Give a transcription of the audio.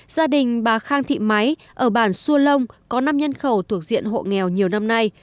gia đình bà khang thị máy ở bản xua lông có năm nhân khẩu thuộc diện hộ nghèo nhiều năm nay